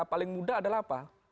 paling mudah adalah apa